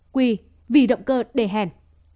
q vì động cơ đề hèn